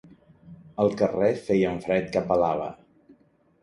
Al carrer feia un fred que pelava.